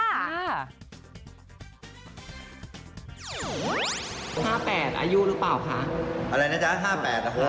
๕๘อายุหรือเปล่าคะ